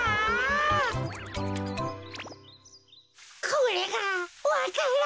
これがわか蘭。